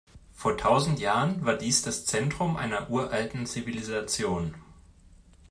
Vor tausend Jahren war dies das Zentrum einer uralten Zivilisation.